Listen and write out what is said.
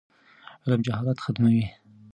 علم جهالت ختموي.